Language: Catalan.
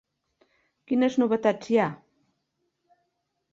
Quines novetats hi ha?